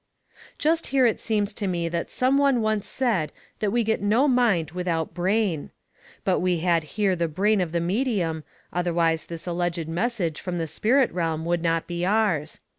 Just here it seems to me that some one once said that we get no mind without brain. But we had here the brain of the medium, otherwise this alleged message from the spirit realm would not be ours.